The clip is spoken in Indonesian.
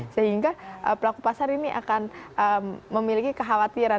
sehingga pelaku pasar ini akan memiliki kekhawatiran